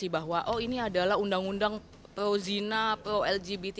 bahwa ini adalah undang undang pro zina pro lgbt